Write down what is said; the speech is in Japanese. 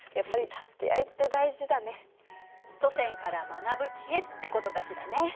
祖先から学ぶ知恵ってことかしらね。